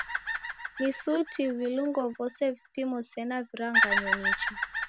Ni suti vilungo vose vipimo sena viranganyo nicha.